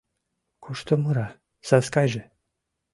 — Кушто мура Саскайже?